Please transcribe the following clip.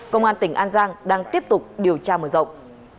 công an tỉnh an giang đang tiếp tục điều tra mở rộng